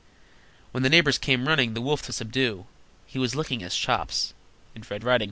When the neighbors came running, the wolf to subdue, He was licking his chops, (and Red Riding Hood's, too!)